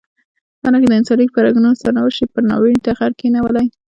دا نښې د انساني پرګنو سرنوشت یې پر ناورین ټغر کښېنولی.